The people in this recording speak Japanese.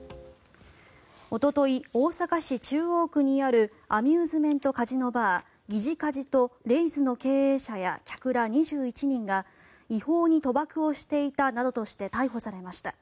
おととい、大阪市中央区にあるアミューズメントカジノバーＧｉｊｉＣａｓｉとレイズの経営者や客ら２１人が違法に賭博をしていたなどとして逮捕されました。